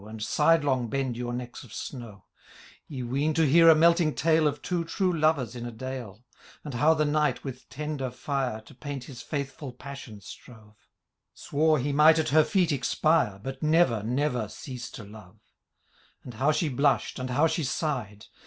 And sidelong bend your necks of snow : Ye ween to hear a melting tale. Of two true lovers in a dale ; And how the Knight, with tender fire. To paint his faithful passion strove ; Swore he might at her feet expire. But never, never cease to love ; And how she blush'd, and how she sighed.